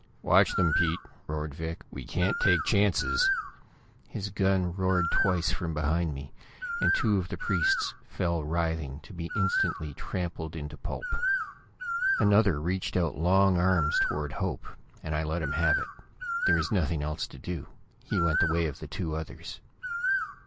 "Watch them, Pete!" roared Vic. "We can't take chances!" His gun roared twice from behind me, and two of the priests fell writhing, to be instantly trampled into pulp. Another reached out long arms toward Hope, and I let him have it. There was nothing else to do. He went the way of the two others.